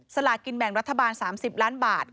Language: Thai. สลากินแบ่งรัฐบาล๓๐ล้านบาท